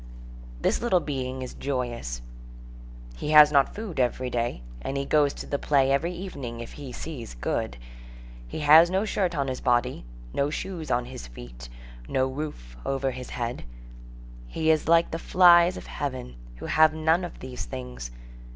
This little being is joyous. He has not food every day, and he goes to the play every evening, if he sees good. He has no shirt on his body, no shoes on his feet, no roof over his head; he is like the flies of heaven, who have none of these things.